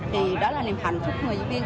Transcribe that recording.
thì đó là niềm hạnh phúc người diễn viên